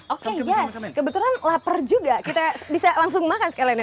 oke kebetulan lapar juga kita bisa langsung makan sekali ini